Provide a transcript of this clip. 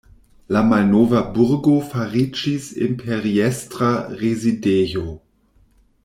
La malnova burgo fariĝis imperiestra rezidejo.